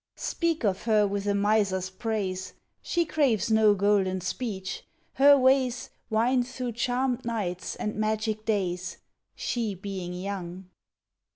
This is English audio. Speak of her with a miser's praise; She craves no golden speech; her ways Wind through charmed nights and magic days, She being young.